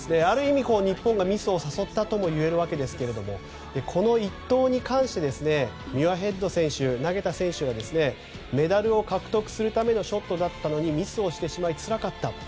ある意味、日本がミスを誘ったともいえるわけですけどもこの一投に関してミュアヘッド選手メダルを獲得するためのショットだったのにミスをしてしまいつらかった。